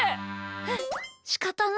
はっしかたない。